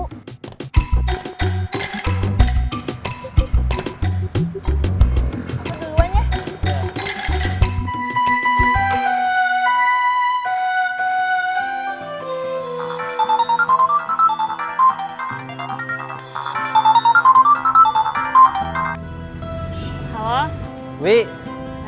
aku duluan ya